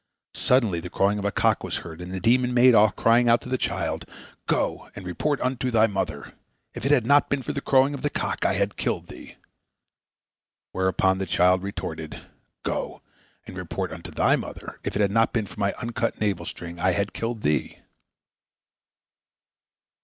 Suddenly the crowing of a cock was heard, and the demon made off, crying out to the child, "Go and report unto thy mother, if it had not been for the crowing of the cock, I had killed thee!" Whereupon the child retorted, "Go and report unto thy mother, if it had not been for my uncut navel string, I had killed thee!"